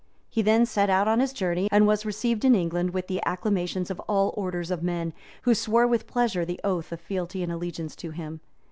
He then set out on his journey, and was received in England with the acclamations of all orders of men, who swore with pleasure the oath of fealty and allegiance to him.